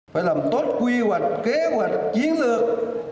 phải làm tốt quy hoạch kế hoạch chiến lược